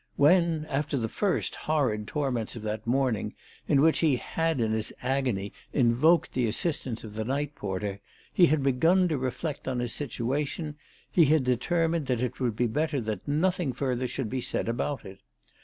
When, after the first horrid torments of that morning in which he had in his agony invoked the assistance of the night porter, he had begun to reflect on his situation, he had determined that it would be better that nothing further should be said about it.